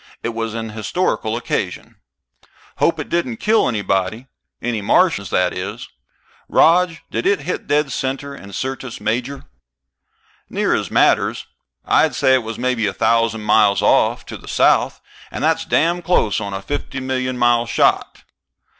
It was an historical occasion. "Hope it didn't kill anybody. Any Martians, that is. Rog, did it hit dead center in Syrtis Major?" "Near as matters. I'd say it was maybe a thousand miles off, to the south. And that's damn close on a fifty million mile shot.